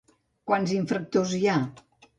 Quants infractors hi ha?